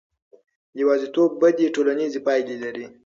یوازیتوب بدې ټولنیزې پایلې لري.